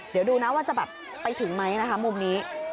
เดี๋ยวดูนะว่าจะแบบไปถึงไหมนะคะมุมนี้